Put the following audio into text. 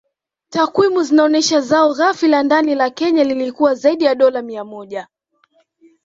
Takwimu zinaonesha zao Ghafi la Ndani la Kenya lilikuwa zaidi ya dola mia moja